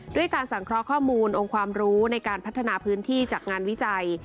ด้วยการสังเคราะห์ข้อมูลองค์ความรู้ในการพัฒนาพื้นที่จากงานวิจัย